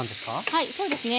はいそうですね。